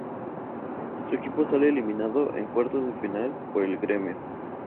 Su equipo sale eliminado en cuartos de final por el Grêmio.